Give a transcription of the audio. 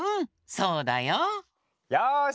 そうだよ。よし！